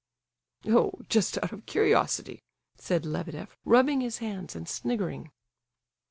"Oh, just out of curiosity," said Lebedeff, rubbing his hands and sniggering.